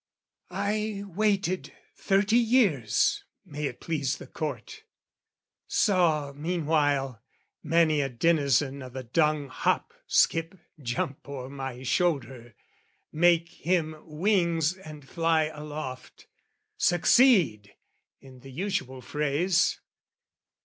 I waited thirty years, may it please the Court: Saw meanwhile many a denizen o' the dung Hop, skip, jump o'er my shoulder, make him wings And fly aloft, succeed, in the usual phrase.